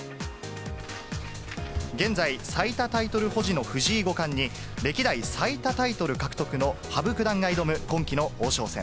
現在、最多タイトル保持の藤井五冠に、歴代最多タイトル獲得の羽生九段が挑む、今季の王将戦。